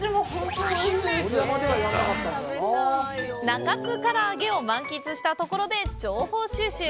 中津からあげを満喫したところで情報収集！